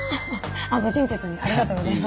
ご親切にありがとうございます。